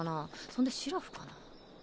そんでしらふかな？